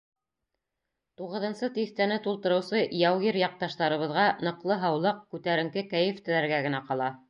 Туғыҙынсы тиҫтәне тултырыусы яугир яҡташтарыбыҙға ныҡлы һаулыҡ, күтәренке кәйеф теләргә генә ҡала.